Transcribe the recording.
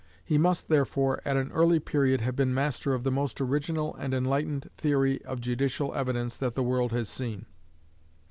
He must, therefore, at an early period, have been master of the most original and enlightened theory of judicial evidence that the world has seen.